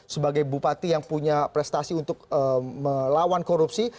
sebagai bupati yang punya prestasi untuk melawan korupsi